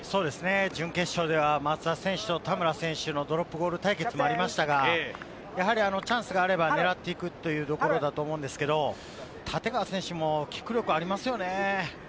準決勝では松田選手と田村選手のドロップゴール対決もありましたが、やはりチャンスがあれば狙っていくというところだと思うんですけれども、立川選手もキック力がありますよね。